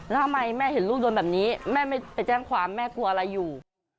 แล้วทำไมแม่เห็นลูกโดนแบบนี้แม่ไม่ไปแจ้งความแม่กลัวอะไรอยู่